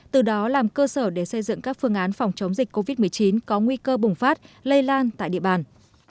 từ đó làm cơ sở để xây dựng các phương án phòng chống dịch covid một mươi chín có nguy cơ bùng phát lây lan tại địa bàn